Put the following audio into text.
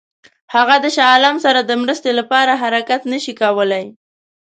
هغه د شاه عالم سره د مرستې لپاره حرکت نه شي کولای.